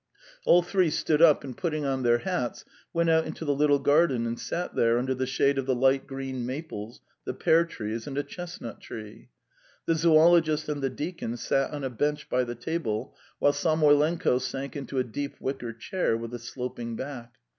All three stood up, and putting on their hats, went out into the little garden, and sat there under the shade of the light green maples, the pear trees, and a chestnut tree. The zoologist and the deacon sat on a bench by the table, while Samoylenko sank into a deep wicker chair with a sloping back.